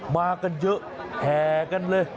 มากันเยอะแห่กันเลย